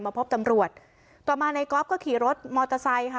พบตำรวจต่อมาในก๊อฟก็ขี่รถมอเตอร์ไซค์ค่ะ